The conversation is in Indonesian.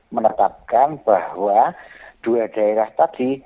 menetapkan bahwa dua daerah tadi